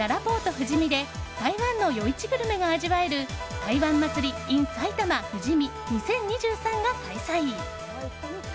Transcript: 富士見で台湾の夜市グルメが味わえる台湾祭ｉｎ埼玉ＦＵＪＩＭＩ２０２３が開催！